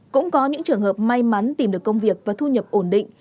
cũng có những trường hợp may mắn tìm được công việc và thu nhập ổn định